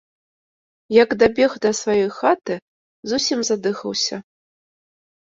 Як дабег да сваёй хаты, зусім задыхаўся.